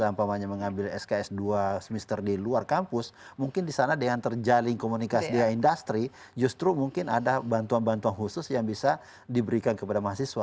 karena anak anak bisa mengambil sks dua semester di luar kampus mungkin di sana dengan terjalin komunikasi industri justru mungkin ada bantuan bantuan khusus yang bisa diberikan kepada mahasiswa